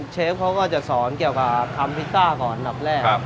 เชฟเขาก็จะสอนเกี่ยวกับทำพิซซ่าก่อนอันดับแรก